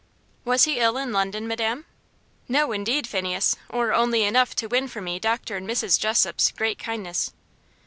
"Was he ill in London, madam?" "No, indeed, Phineas! Or only enough to win for me Dr. and Mrs. Jessop's great kindness."